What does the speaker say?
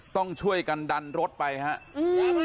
ต้องช่วยกันดันรถไปฮะอืม